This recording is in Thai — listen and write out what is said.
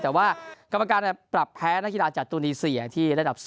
แต่ว่ากรรมการปรับแพ้นักฮิตาจากตรงที่๔ที่ระดับ๒